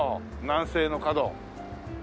南西の角。